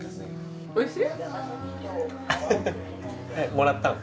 もらったの？